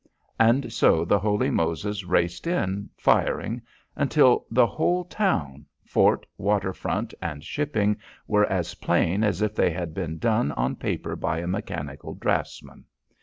And so the Holy Moses raced in, firing, until the whole town, fort, waterfront, and shipping were as plain as if they had been done on paper by a mechanical draftsman.